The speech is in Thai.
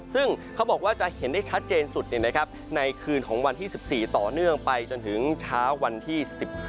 ซึ่งเขาบอกว่าจะเห็นได้ชัดเจนสุดในคืนของวันที่๑๔ต่อเนื่องไปจนถึงเช้าวันที่๑๕